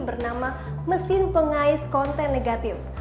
bernama mesin pengais konten negatif